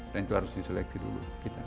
dan itu harus diseleksi dulu